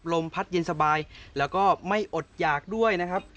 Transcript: ลมพัดเย็นสบายแล้วก็ไม่อดหยากด้วยนะครับ